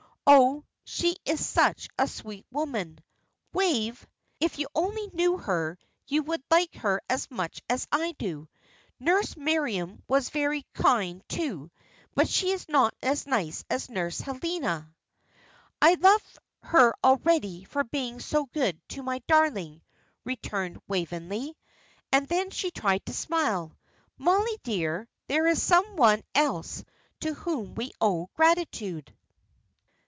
Oh, she is such a sweet woman, Wave! If you only knew her you would like her as much as I do. Nurse Miriam was very kind, too, but she is not as nice as Nurse Helena." "I love her already for being so good to my darling," returned Waveney; and then she tried to smile. "Mollie, dear, there is some one else to whom we owe gratitude."